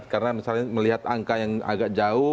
karena misalnya melihat angka yang agak jauh